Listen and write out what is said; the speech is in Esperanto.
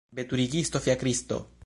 Veturigisto fiakristo!